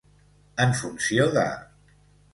En funció de.